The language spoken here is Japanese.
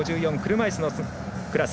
車いすのクラス。